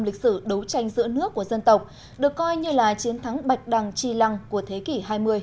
lịch sử đấu tranh giữa nước của dân tộc được coi như là chiến thắng bạch đằng chi lăng của thế kỷ hai mươi